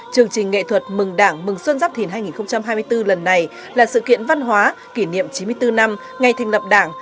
chương trình nghệ thuật mừng đảng mừng xuân giáp thìn hai nghìn hai mươi bốn lần này là sự kiện văn hóa kỷ niệm chín mươi bốn năm ngày thành lập đảng